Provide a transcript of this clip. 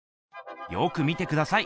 よく見てください。